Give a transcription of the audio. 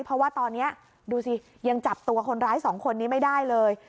เพราะว่าตอนนี้ดูสิยังจับตัวคนร้ายสองคนนี้ไม่ได้เลย